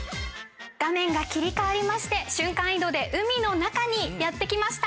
画面が切り替わりまして瞬間移動で海の中にやってきました